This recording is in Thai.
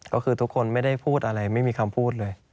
ก็คือทุกคนไม่ได้พูดอะไรไม่มีคำพูดเลย